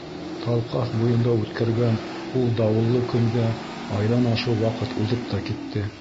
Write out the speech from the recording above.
Талҡаҫ буйында үткәргән ул дауыллы көнгә айҙан ашыу ваҡыт уҙып та китте.